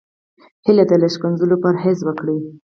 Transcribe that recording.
هيله ده له ښکنځلو پرهېز وکړو.